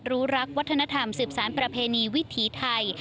รู้รักวัฒนธรรมสืบสารประเพณีวิถีไทย